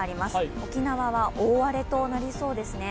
沖縄は大荒れとなりそうですね。